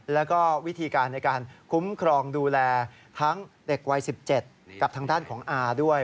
แล้วก็วิธีการในการคุ้มครองดูแลทั้งเด็กวัย๑๗กับทางด้านของอาด้วย